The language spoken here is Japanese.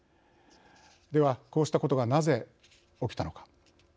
では、こうしたことがなぜ起きたのか。